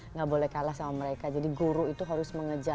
nggak boleh kalah sama mereka jadi guru itu harus mengejar